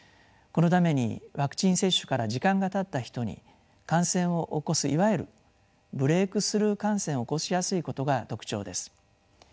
このためにワクチン接種から時間がたった人に感染を起こすいわゆるブレイクスルー感染を起こしやすいことが特徴です。